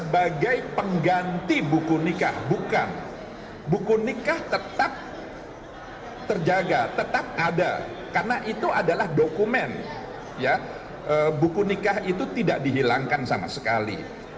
buku nikah itu tidak dihilangkan sama sekali